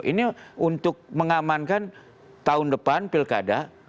ini untuk mengamankan tahun depan pilkada